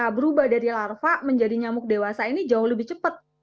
karena berubah dari larva menjadi nyamuk dewasa ini jauh lebih cepat